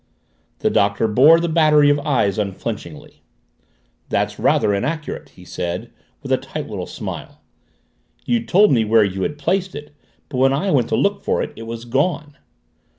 The Doctor bore the battery of eyes unflinchingly. "That's rather inaccurate," he said, with a tight little smile. "You told me where you had placed it, but when I went to look for it, it was gone."